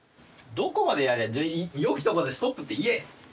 どこまでやれじゃ良きところでストップって言え！